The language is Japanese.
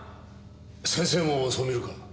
先生もそう視るか？